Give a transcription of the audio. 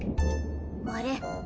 あれ？